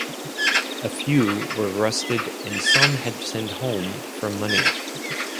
A few were arrested and some had to send home for money.